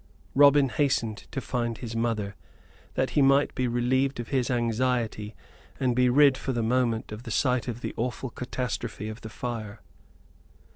Robin hastened to find his mother, that he might be relieved of his anxiety and be rid for the moment of the sight of the awful catastrophe of the fire.